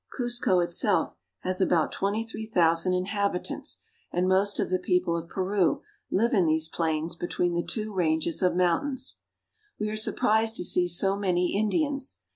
Cuzco itself has about twenty thou Vicuffa. 78 PERU. sand inhabitants, and most of the people of Peru live in these plains between the two ranges of mountains. We are surprised to see so many Indians.